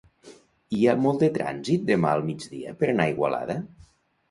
Hi ha molt de trànsit demà al migdia per a anar a Igualada?